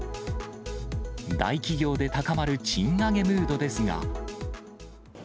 大企業で高まる賃上げムードですが。